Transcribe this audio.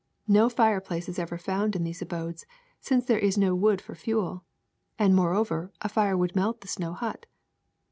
No fireplace is ever found in these abodes, since there is no wood for fuel ; and, moreover, a fire would melt the snow hut.